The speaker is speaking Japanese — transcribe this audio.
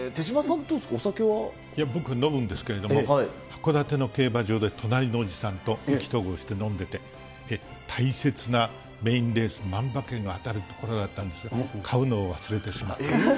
僕、飲むんですけど、函館の競馬場で隣のおじさんと意気投合して飲んでて、大切なメインレース、万馬券が当たるところあったんですけど、買うのを忘れてしまって。